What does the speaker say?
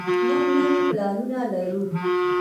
موږ نوي پلانونه لرو.